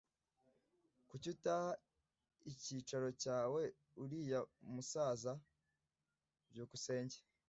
Kuki utaha icyicaro cyawe uriya musaza? byukusenge